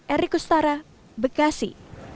eri kustara bekasi